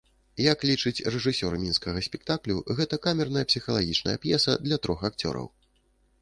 Як лічыць рэжысёр мінскага спектаклю, гэта камерная псіхалагічная п'еса для трох акцёраў.